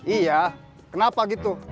iya kenapa gitu